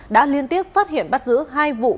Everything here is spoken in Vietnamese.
đã liên tiếp phát hiện bắt giữ hai vụ